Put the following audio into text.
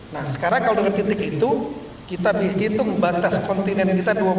nah sekarang kalau dengan titik itu kita bisa hitung batas kontinen kita